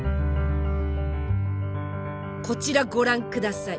こちらご覧ください！